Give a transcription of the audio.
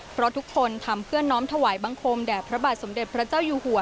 เพราะทุกคนทำเพื่อน้อมถวายบังคมแด่พระบาทสมเด็จพระเจ้าอยู่หัว